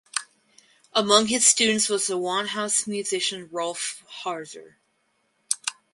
Among his students was the Gewandhaus musician Rolf Harzer.